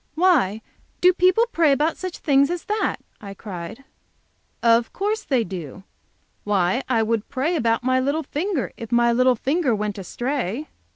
"Why, do people pray about such things as that?" I cried. "Of course they do. Why, I would pray about my little finger, if my little finger went astray."